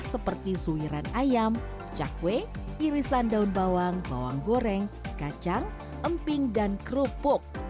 seperti suiran ayam cakwe irisan daun bawang bawang goreng kacang emping dan kerupuk